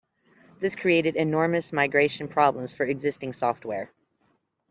This created enormous migration problems for existing software.